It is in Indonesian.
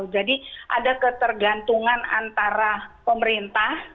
jadi ada ketergantungan antara pemerintah